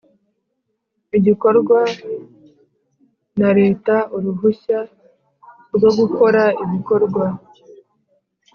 igakorwa na Leta Uruhushya rwo gukora ibikorwa